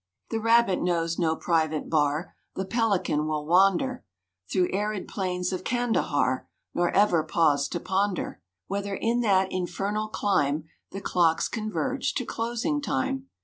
= The Rabbit knows no "private bar," `The Pelican will wander Through arid plains of Kandahar, `Nor ever pause to ponder Whether in that infernal clime The clocks converge to "closing time."